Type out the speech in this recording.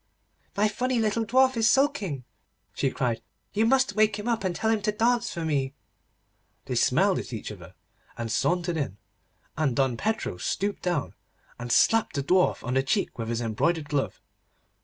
'My funny little dwarf is sulking,' she cried, 'you must wake him up, and tell him to dance for me.' They smiled at each other, and sauntered in, and Don Pedro stooped down, and slapped the Dwarf on the cheek with his embroidered glove.